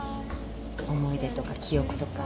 思い出とか記憶とか。